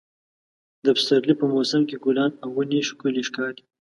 د پسرلي په موسم کې ګلان او ونې ښکلې ښکاري.